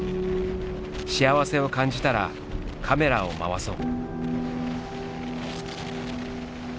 幸せを感じたらカメラを回そう。